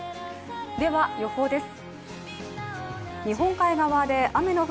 では、予報です。